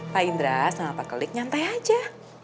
pak indra sama pak kelik nyantai aja